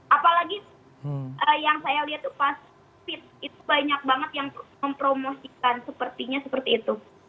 apalagi yang saya lihat tuh pas fit itu banyak banget yang mempromosikan sepertinya seperti itu